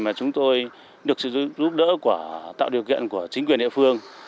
mà chúng tôi được sự giúp đỡ tạo điều kiện của chính quyền địa phương